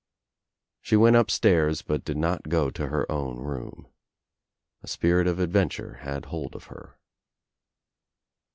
She went upstairs but did not go to her own room. A spirit of adventure had hold of her.